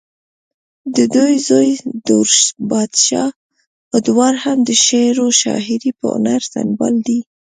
ددوي زوے دور بادشاه ادوار هم د شعرو شاعرۍ پۀ هنر سنبال دے